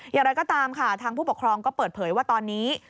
อย่างไรก็ตามค่ะทางผู้ปกครองก็เปิดเผยว่าตอนนี้